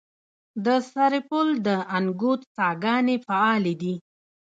د سرپل د انګوت څاګانې فعالې دي؟